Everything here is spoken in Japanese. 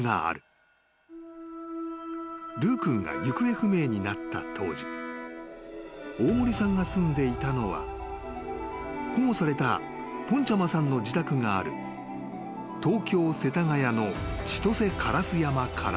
［ルー君が行方不明になった当時大森さんが住んでいたのは保護されたぽんちゃまさんの自宅がある東京世田谷の千歳烏山から］